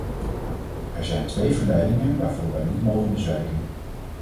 Er zijn twee verleidingen waarvoor wij niet mogen bezwijken.